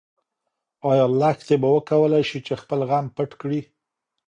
ايا لښتې به وکولی شي چې خپل غم پټ کړي؟